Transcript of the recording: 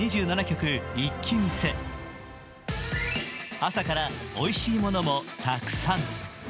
朝からおいしいものもたくさん。